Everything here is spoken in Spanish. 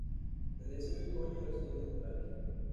Desde ese mismo año reside en Australia.